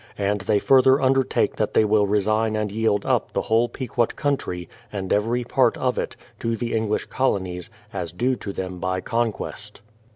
And they further undertake that they will resign and j ield up the whole Pequot country, and every part of it, to the English Colonies, as due to them by conquest.